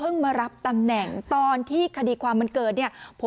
สองสามีภรรยาคู่นี้มีอาชีพ